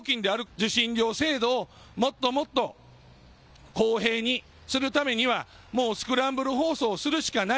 受信料制度をもっともっと公平にするためには、もう、スクランブル放送をするしかない。